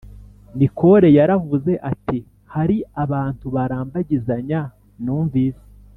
Nicole yaravuze ati hari abantu barambagizanya numvise